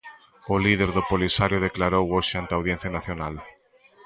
O líder do Polisario declarou hoxe ante a Audiencia Nacional.